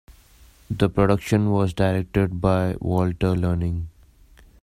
The production was directed by Walter Learning.